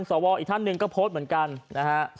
สวอีกท่านหนึ่งก็โพสต์เหมือนกันนะฮะ